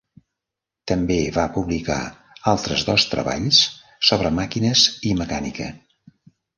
També va publicar altres dos treballs sobre màquines i mecànica.